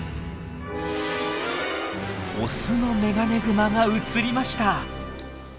オスのメガネグマが映りました。